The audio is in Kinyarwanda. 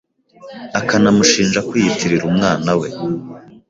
akanamushinja kwiyitirira umwana we